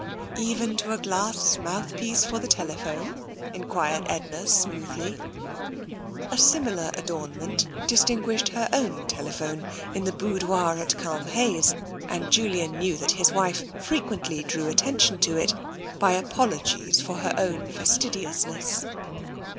"Even to a glass mouthpiece for the telephone?" enquired Edna smoothly. A similar adornment distinguished her own tele phone in the boudoir at Culmhayes, and Julian knew TENSION 53 that his wife frequently drew attention to it by apol ogies for her own fastidiousness.